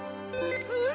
うん！